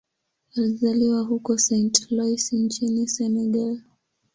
Alizaliwa huko Saint-Louis nchini Senegal.